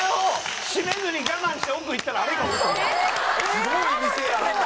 すごい店やな。